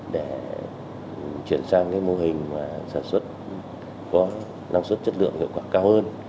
để chuyển sang mô hình sản xuất có năng suất chất lượng hiệu quả cao hơn